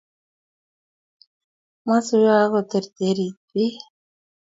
masuiyoo ak kotoretii bik